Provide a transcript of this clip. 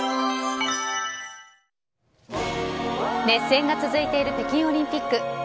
熱戦が続いている北京オリンピック。